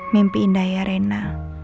mimpi indah ya rena